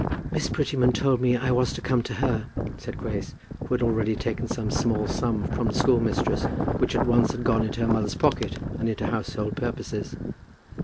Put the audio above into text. "Miss Prettyman told me I was to come to her," said Grace, who had already taken some small sum from the schoolmistress, which at once had gone into her mother's pocket, and into household purposes.